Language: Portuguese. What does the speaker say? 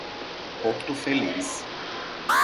Porto Feliz